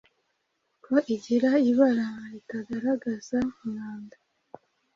ko igira ibara ritagaragaza umwanda